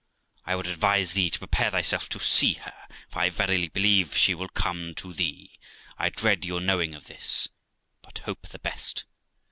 I would advise thee to prepare thyself to see her, for I verily believe she will come to thee. 1 dread your knowing of this, but hope the best.